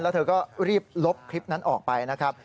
แล้วเธอก็รีบลบคลิปนั้นออกไปนะครับ